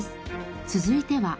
続いては。